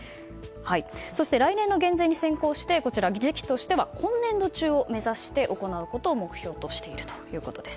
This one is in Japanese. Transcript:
そして、来年の減税に先行して時期としては今年度中を目指して行うことを目標としているということです。